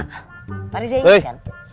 padahal dia inget kan